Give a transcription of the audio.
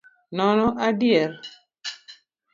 Nono adier.